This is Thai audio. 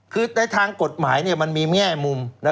คือในทางกฎหมายมันมีแง่มุม